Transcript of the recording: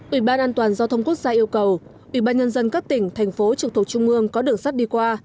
ủy ban an toàn giao thông quốc gia yêu cầu ủy ban nhân dân các tỉnh thành phố trực thuộc trung mương có đường sắt đi qua